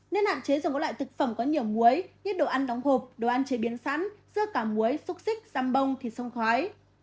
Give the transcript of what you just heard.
nên hạn chế dùng các loại thực phẩm có nhiều muối như đồ ăn đóng hộp đồ ăn chế biến sẵn dưa cả muối xúc xích xăm bông thịt sông khói